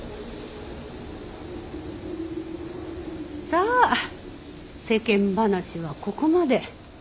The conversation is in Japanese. さあ世間話はここまで。